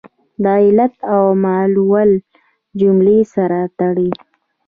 د علت او معلول جملې سره تړي.